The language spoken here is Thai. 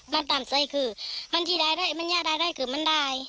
มันตามใจคือมันที่ได้มันยากรายได้คือมันได้